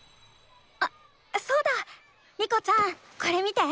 あそうだ。リコちゃんこれ見て。